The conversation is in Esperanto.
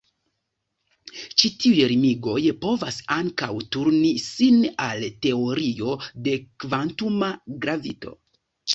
Ĉi tiuj limigoj povas ankaŭ turni sin al teorio de kvantuma gravito.